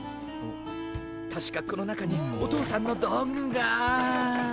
確かこの中にお父さんの道具が。